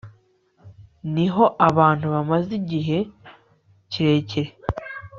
ni ho abantu bamaze igihe kirekire